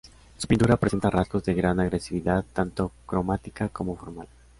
Su pintura presenta rasgos de gran agresividad, tanto cromática como formal.